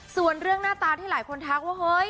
ส่วนเรื่องหน้าตาที่หลายคนทักว่าเฮ้ย